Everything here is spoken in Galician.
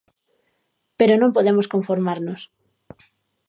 Pero non podemos conformarnos.